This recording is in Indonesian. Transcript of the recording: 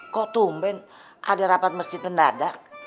kok tumben ada rapat masjid mendadak